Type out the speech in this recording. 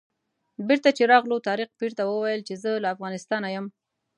بېرته چې راغلو طارق پیر ته وویل چې زه له افغانستانه یم.